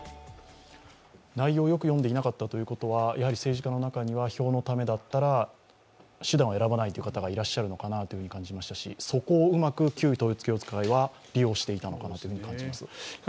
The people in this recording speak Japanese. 内容をよく読んでいなかったということは、やはり政治家の中には票のためだったら手段を選ばないという方がいらっしゃるのかなという感じがしますしそこをうまく旧統一教会は利用していたのかなと感じます。